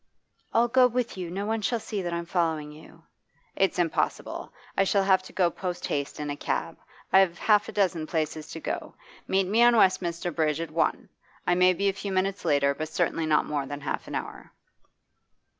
'I'll go with you. No one shall see that I'm following you.' 'It's impossible. I shall have to go post haste in a cab. I've half a dozen places to go to. Meet me on Westminster Bridge at one. I may be a few minutes later, but certainly not more than half an hour.